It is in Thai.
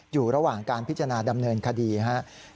อยู่ระหว่างการพิจารณาดำเนินคดีครับ